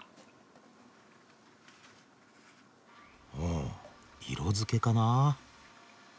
あ色づけかな。